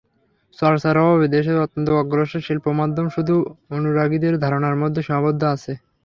চর্চার অভাবে দেশের অত্যন্ত অগ্রসর শিল্পমাধ্যম শুধু অনুরাগীদের ধারণার মধ্যেই সীমাবদ্ধ আছে।